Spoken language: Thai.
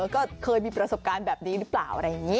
ก็เคยมีประสบการณ์แบบนี้หรือเปล่า